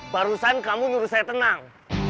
barusan kamu nyuruh saya tenang